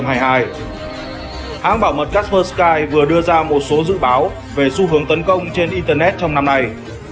hãng bảo mật carbon sky vừa đưa ra một số dự báo về xu hướng tấn công trên internet trong năm nay